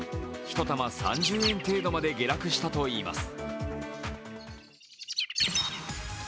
１玉３０円程度まで下落したといいます。